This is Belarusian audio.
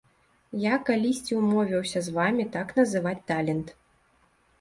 Я калісьці ўмовіўся з вамі так называць талент.